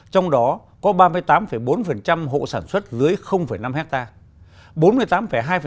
trong đó có ba mươi tám bốn hộ sản xuất dưới năm hectare